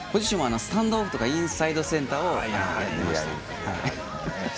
ポジションはスタンドオフとかインサイドセンターをやってました。